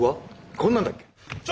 こんなんだっけ？